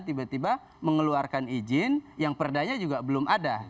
tiba tiba mengeluarkan izin yang perdanya juga belum ada